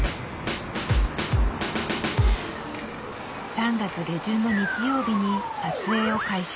３月下旬の日曜日に撮影を開始。